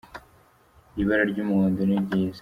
ibara ry' umuhondo niryiza